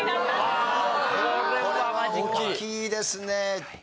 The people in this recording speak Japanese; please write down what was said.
これは大きいですね。